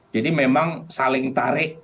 jadi memang saling tarik